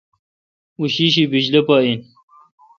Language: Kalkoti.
او شیشی بجلی پا این۔